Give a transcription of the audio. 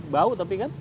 bau tapi kan